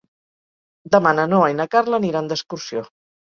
Demà na Noa i na Carla aniran d'excursió.